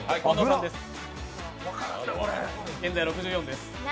現在６４です。